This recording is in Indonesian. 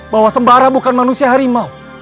bahwa sembara bukan manusia harimau